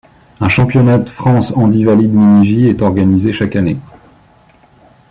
Un Championnat de France Handivalide Miniji est organisé chaque année.